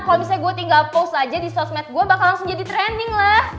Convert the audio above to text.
kalau misalnya gue tinggal post aja di sosmed gue bakal langsung jadi trending lah